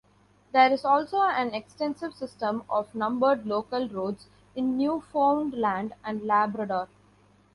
There is also an extensive system of numbered local roads in Newfoundland and Labrador.